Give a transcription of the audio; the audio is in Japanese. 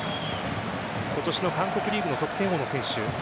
今年の韓国リーグの得点王の選手。